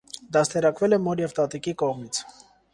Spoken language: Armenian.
Դաստիարակվել է մոր և տատիկի կողմից։